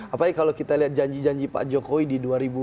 apalagi kalau kita lihat janji janji pak jokowi di dua ribu dua puluh